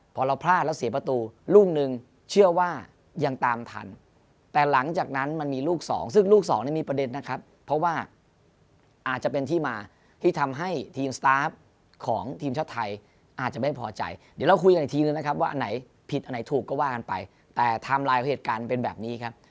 พอเราพลาดแล้วเสียประตูลูกหนึ่งเชื่อว่ายังตามทันแต่หลังจากนั้นมันมีลูกสองซึ่งลูกสองนี่มีประเด็นนะครับเพราะว่าอาจจะเป็นที่มาที่ทำให้ทีมสตาฟของทีมชาติไทยอาจจะไม่พอใจเดี๋ยวเราคุยกันอีกทีนึงนะครับว่าอันไหนผิดอันไหนถูกก็ว่ากันไปแต่ไทม์ไลน์ของเหตุการณ์เป็นแบบนี้ครับ